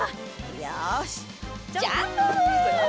よしジャンプ！